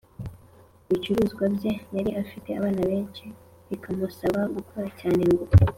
ibicuruzwa bye. Yari afite abana benshi bikamusaba gukora cyane ngo